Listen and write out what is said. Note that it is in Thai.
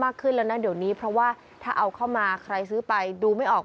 ขึ้นแล้วนะเดี๋ยวนี้เพราะว่าถ้าเอาเข้ามาใครซื้อไปดูไม่ออก